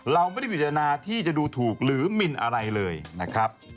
เราไม่ได้พิจารณาที่จะดูถูกหรือมินอะไรเลยนะครับ